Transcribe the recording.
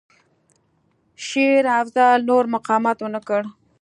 شېر افضل نور مقاومت ونه کړ.